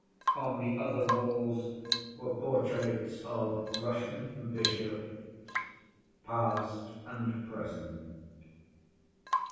On the other walls were portraits of Russian bishops, past and present.